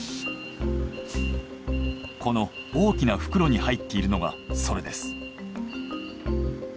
この大きな袋に入っているのがそれです。